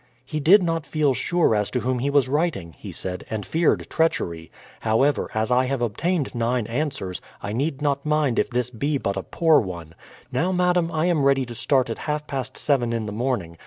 "He did not feel sure as to whom he was writing," he said, "and feared treachery. However, as I have obtained nine answers, I need not mind if this be but a poor one. Now, madam, I am ready to start at half past seven in the morning.